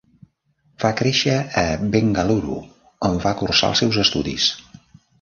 Va créixer a Bengaluru, on va cursar els seus estudis.